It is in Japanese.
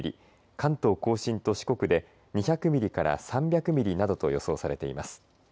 関東甲信と四国で２００ミリから３００ミリなどと予想されています。